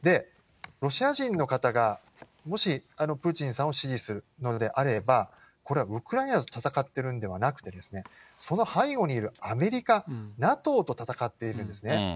ロシア人の方が、もしプーチンさんを支持するのであれば、これはウクライナと戦っているんではなくて、その背後にいるアメリカ、ＮＡＴＯと戦っているんですね。